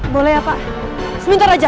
boleh ya pak sebentar aja